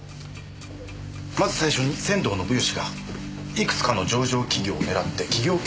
まず最初に仙道信義がいくつかの上場企業を狙って企業恐喝を仕掛ける。